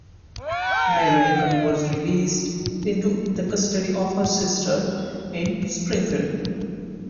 Mary Lincoln was released into the custody of her sister in Springfield.